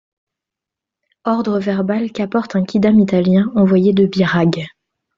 Ordre verbal, qu'apporte un quidam italien, envoyé de Birague.